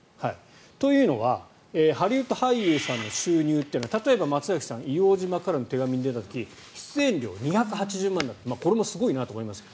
というのはハリウッド俳優さんの収入というのは例えば、松崎さん「硫黄島からの手紙」に出た時出演料２８０万円だった。これもすごいなと思いますが。